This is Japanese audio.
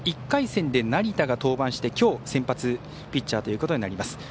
１回戦で成田が登板してきょう先発ピッチャーということになります。